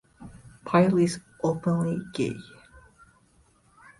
Pyle is openly gay.